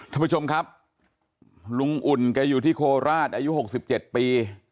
ท่านผู้ชมครับลุงอุ่นแกอยู่ที่โคราชอายุ๖๗ปี